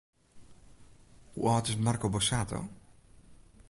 Hoe âld is Marco Borsato?